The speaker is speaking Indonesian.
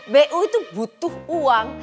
bu itu butuh uang